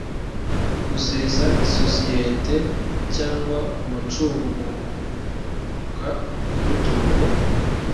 gusesa isosiyete cyangwa umucunga mutungo